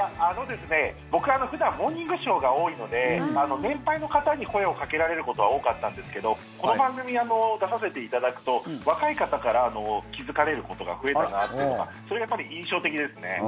僕、普段「モーニングショー」が多いので年配の方に声をかけられることは多かったんですけどこの番組、出させていただくと若い方から気付かれることが増えたなっていうのがそれが多分、印象的ですね。